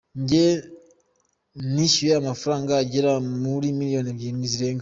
Jye nishyuye amafranga agera muri miliyoni ebyiri zirenga".